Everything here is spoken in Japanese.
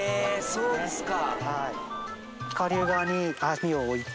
そうなんですか。